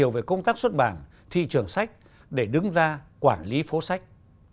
về công tác xuất bản thị trường sách để đứng ra quản lý phố sách